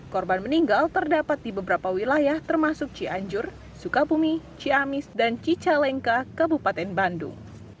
korban meninggal terdapat di beberapa wilayah termasuk cianjur sukabumi ciamis dan cicalengka kabupaten bandung